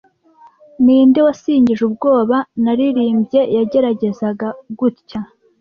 Ninde wasingije ubwoba naririmbye, yagerageza gutya